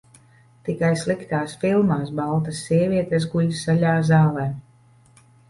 Tikai sliktās filmās baltas sievietes guļ zaļā zālē.